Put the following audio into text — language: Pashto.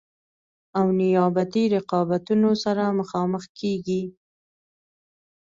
او نیابتي رقابتونو سره مخامخ کیږي.